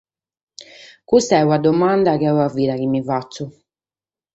Custa est una dimanda chi est una vida chi mi fatzo.